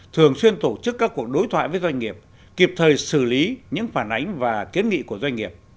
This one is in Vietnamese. thường xuyên tổ chức các cuộc đối thoại với doanh nghiệp kịp thời xử lý những phản ánh và kiến nghị của doanh nghiệp